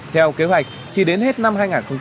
theo kế hoạch thì đến hết năm hai nghìn một mươi sáu